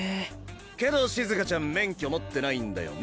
けどシズカちゃん免許持ってないんだよね？